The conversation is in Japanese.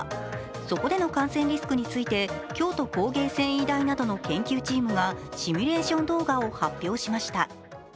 そこでの感染リスクについて京都工芸繊維大などの研究チームがシミュレーション動画を発表しました。